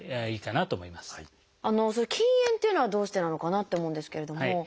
「禁煙」っていうのはどうしてなのかなと思うんですけれども。